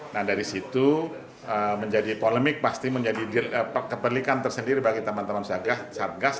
nah dari situ menjadi polemik pasti menjadi keperlikan tersendiri bagi teman teman satgas